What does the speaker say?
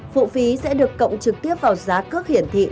phụ phí sẽ được cộng trực tiếp vào giá cước hiển thị